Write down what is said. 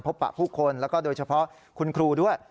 พบประผู้คนและโดยเฉพาะคุณครูด้วย